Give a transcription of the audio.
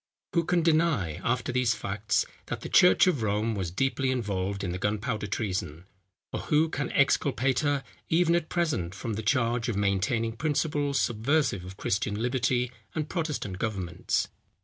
Who can deny, after these facts, that the church of Rome was deeply involved in the gunpowder treason? Or who can exculpate her, even at present, from the charge of maintaining principles subversive of Christian liberty and Protestant governments?